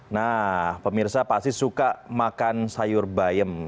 nah pemirsa pasti suka makan sayur bayam